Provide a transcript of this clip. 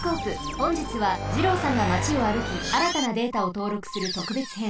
ほんじつは二朗さんが町をあるきあらたなデータをとうろくするとくべつへん。